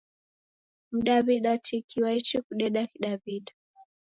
Mdaw'ida tiki waichi kudeda Kidaw'ida.